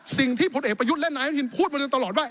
สิ่งที่ผลเอกประยุทธิ์และนายอาทิตย์พูดมาตลอดว่า